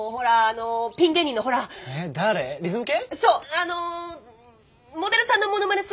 あのモデルさんのモノマネするほら。